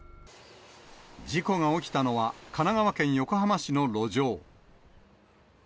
事故が起きたのは、神奈川県横浜市の路上。